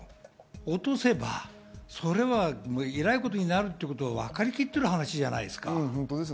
落とせば、それはえらいことになるということはわかりきった話じゃないですか。